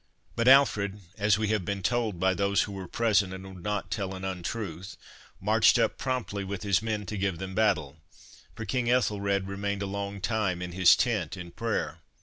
" But Alfred, as we have been told by those who were present and would not tell an 284 HOME EDUCATION untruth, marched up promptly with his men to give them battle ; for King Ethelred remained a long time in his tent in prayer."